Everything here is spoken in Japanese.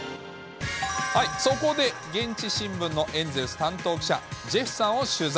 そこで現地新聞のエンゼルス担当記者、ジェフさんを取材。